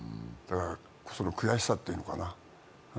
その悔しさっていうのかな。